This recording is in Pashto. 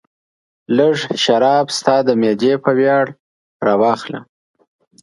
لږ شراب ستا د معدې په ویاړ راواخله.